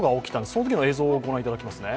そのときの映像をご覧いただきますね。